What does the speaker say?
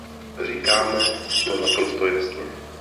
Říkáme to naprosto jasně.